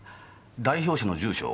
代表者の住所